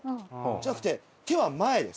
じゃなくて手は前です。